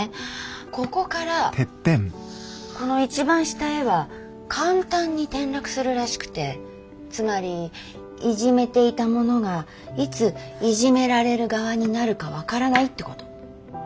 ここからこの一番下へは簡単に転落するらしくてつまりいじめていた者がいついじめられる側になるか分からないってこと。